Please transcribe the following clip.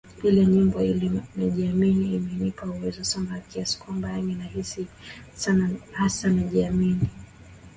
ile nyimbo ile najiamini Imenipa uwezo sana na kiasi kwamba yani nahisi hasa najiamini